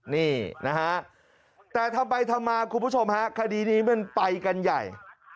นี่นะฮะแต่ทำไปทำมาคุณผู้ชมฮะคดีนี้มันไปกันใหญ่